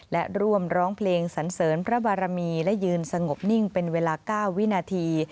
และร่วมร้องเพลงสันเสริญพระบารมีและยืนสงบนิ่งเป็นเวลา๙วินาที